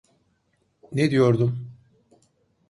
Ne diyordum…